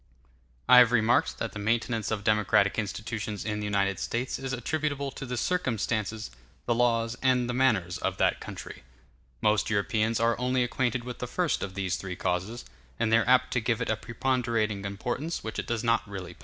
I have remarked that the maintenance of democratic institutions in the United States is attributable to the circumstances, the laws, and the manners of that country. *l Most Europeans are only acquainted with the first of these three causes, and they are apt to give it a preponderating importance which it does not really possess.